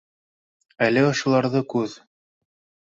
Әле ошоларҙы күҙ